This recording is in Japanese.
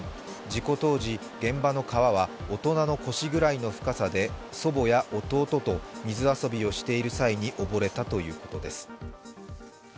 事故当時、現場の川は大人の腰くらいの深さで祖母や弟と水遊びをしている際に溺れたということです。